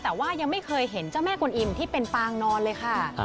แต่ว่ายังไม่เคยเห็นเจ้าแม่กวนอิ่มที่เป็นปางนอนเลยค่ะ